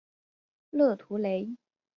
勒图雷。